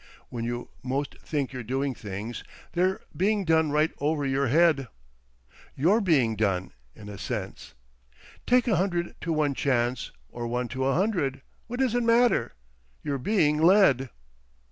When you most think you're doing things, they're being done right over your head. You're being done—in a sense. Take a hundred to one chance, or one to a hundred—what does it matter? You're being Led."